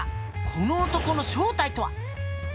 この男の正体とは！？